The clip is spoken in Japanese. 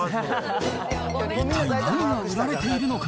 一体何が売られているのか。